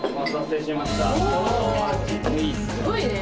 すごいね。